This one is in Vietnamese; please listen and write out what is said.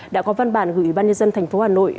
đã có văn bản gửi ủy ban nhân dân tp hà nội